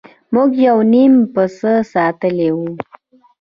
موږ یو نیم پسه ساتلی وي.